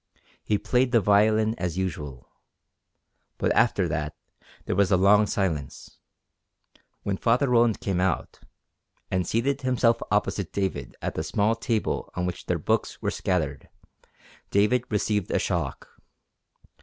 He played the violin as usual. But after that there was a long silence. When Father Roland came out, and seated himself opposite David at the small table on which their books were scattered, David received a shock.